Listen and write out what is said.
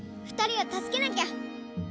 ２人をたすけなきゃ！